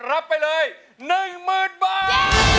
รับไปเลย๑๐๐๐บาท